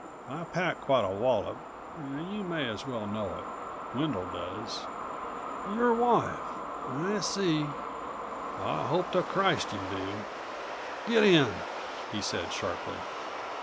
I pack quite a wallop, and you may as well know it. Wendel does." "Your wife. I see...." "I hope to Christ you do " "Get in!" he said sharply.